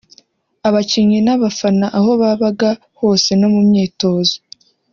abakinnyi n’abafana aho babaga hose no mu myitozo